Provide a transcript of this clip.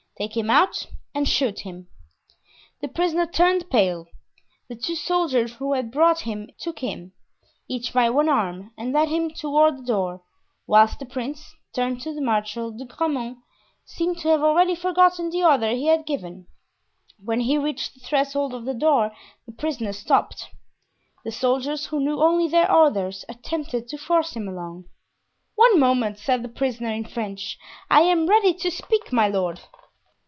Take him out and shoot him." The prisoner turned pale. The two soldiers who had brought him in took him, each by one arm, and led him toward the door, whilst the prince, turning to Marshal de Grammont, seemed to have already forgotten the order he had given. When he reached the threshold of the door the prisoner stopped. The soldiers, who knew only their orders, attempted to force him along. "One moment," said the prisoner, in French. "I am ready to speak, my lord."